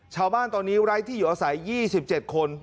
ชาวบ้านตอนนี้ไร้ที่อยู่อาศัย๒๗คน